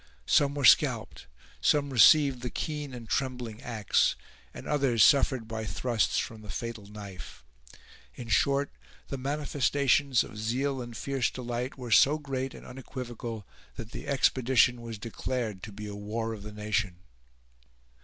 Some were scalped; some received the keen and trembling axe; and others suffered by thrusts from the fatal knife. In short, the manifestations of zeal and fierce delight were so great and unequivocal, that the expedition was declared to be a war of the nation.